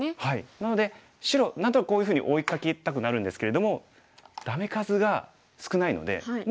なので白何となくこういうふうに追いかけたくなるんですけれどもダメ数が少ないのでもう今２手しかない。